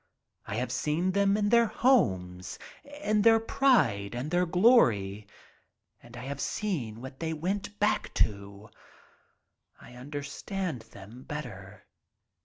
I have seen them in their homes, in their pride and their glory and I have seen what they went back to. I understand them better."